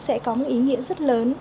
sẽ có một ý nghĩa rất lớn